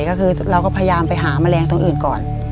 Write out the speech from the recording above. ก็คือเราก็พยายามไปหาแมลงตรงอื่นก่อน